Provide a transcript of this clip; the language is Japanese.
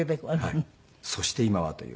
『そして今は』という。